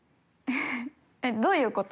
えっどういう事？